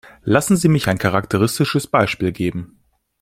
Lassen Sie mich ein charakteristisches Beispiel geben.